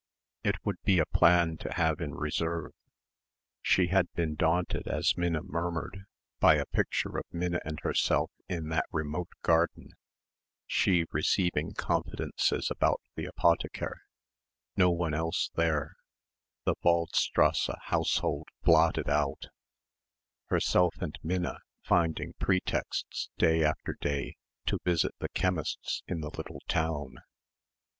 It would be a plan to have in reserve. She had been daunted as Minna murmured by a picture of Minna and herself in that remote garden she receiving confidences about the apotheker no one else there the Waldstrasse household blotted out herself and Minna finding pretexts day after day to visit the chemist's in the little town.